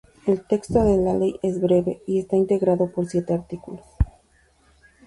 El texto de la ley es breve y está integrado por siete artículos.